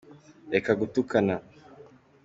Reka gutukana.